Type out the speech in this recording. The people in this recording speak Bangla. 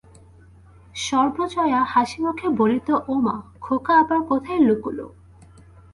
সর্বজয়া হাসিমুখে বলিত-ওমা, খোকা আবার কোথায় লুকুলো?